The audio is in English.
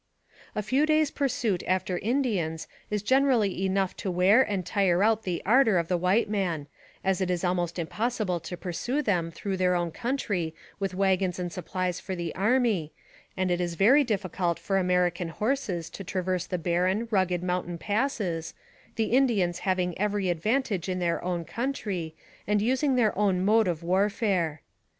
A few days' pursuit after Indians is generally enough to wear and tire out the ardor of the white man, as it is almost impossible to pursue them through their own country with wagons and supplies for the army, and it is very difficult for American horses to traverse the barren, rugged mountain passes, the Indians having every advantage in their own country, and using their own mode of warfare.